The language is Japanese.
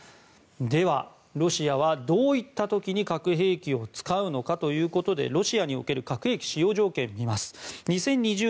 では、ロシアはどういった時に核兵器を使うのかということでロシアにおける核兵器使用条件を見てみます。